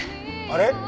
あれ？